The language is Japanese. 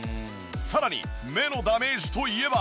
さらに目のダメージといえば。